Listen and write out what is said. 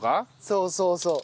そうそうそう。